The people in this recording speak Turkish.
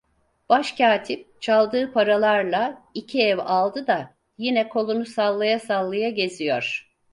Başkatip çaldığı paralarla iki ev aldı da yine kolunu sallaya sallaya geziyor.